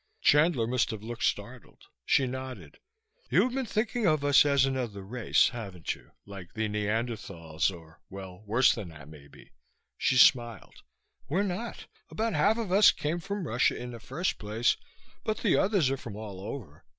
Chandler must have looked startled. She nodded. "You've been thinking of us as another race, haven't you? Like the Neanderthals or well, worse than that, maybe." She smiled. "We're not. About half of us came from Russia in the first place, but the others are from all over.